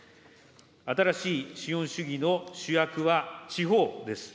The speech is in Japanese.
新しい資本主義の主役は地方です。